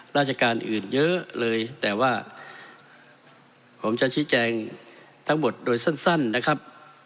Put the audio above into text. ราชการอื่นเยอะเลยแต่ว่าผมจะชี้แจงทั้งหมดโดยสั้นนะครับ